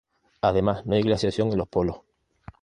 Además no hay glaciación en los polos.